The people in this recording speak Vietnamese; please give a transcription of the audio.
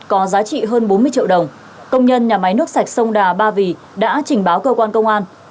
có giá trị hơn bốn mươi triệu đồng công nhân nhà máy nước sạch sông đà ba vì đã trình báo cơ quan công an